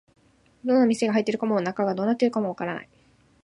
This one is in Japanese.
どんな店が入っているのかも、中がどうなっているのかもわからない